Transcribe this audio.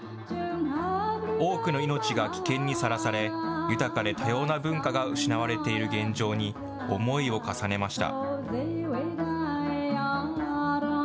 多くの命が危険にさらされ、豊かで多様な文化が失われている現状に思いを重ねました。